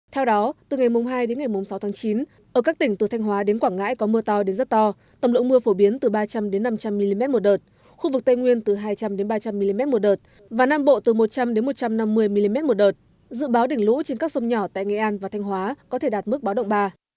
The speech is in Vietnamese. theo đó từ ngày hai đến ngày sáu tháng chín ở các tỉnh từ thanh hóa đến quảng ngãi có mưa to đến rất to tầm lượng mưa phổ biến từ ba trăm linh năm trăm linh mm một đợt khu vực tây nguyên từ hai trăm linh ba trăm linh mm một đợt và nam bộ từ một trăm linh một trăm năm mươi mm một đợt dự báo đỉnh lũ trên các sông nhỏ tại nghệ an và thanh hóa có thể đạt mức báo động ba